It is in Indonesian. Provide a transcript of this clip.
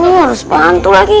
emang harus bantu lagi